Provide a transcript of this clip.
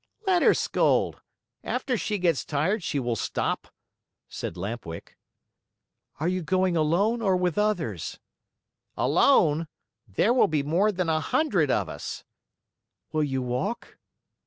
"Let her scold. After she gets tired, she will stop," said Lamp Wick. "Are you going alone or with others?" "Alone? There will be more than a hundred of us!" "Will you walk?"